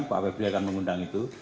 pak febri akan mengundang itu